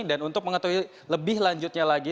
dan untuk mengetahui lebih lanjutnya lagi